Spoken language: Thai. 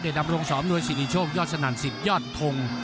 เดี๋ยวนำโรงสอบนวยศิริโชคยอดสนั่น๑๐ยอดทง